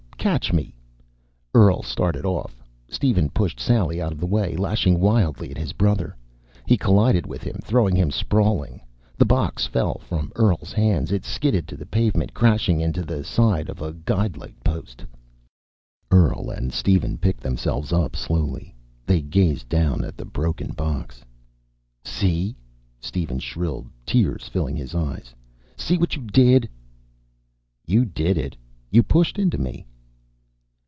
"Catch me." Earl started off. Steven pushed Sally out of the way, lashing wildly at his brother. He collided with him, throwing him sprawling. The box fell from Earl's hands. It skidded to the pavement, crashing into the side of a guide light post. Earl and Steven picked themselves up slowly. They gazed down at the broken box. "See?" Steven shrilled, tears filling his eyes. "See what you did?" "You did it. You pushed into me."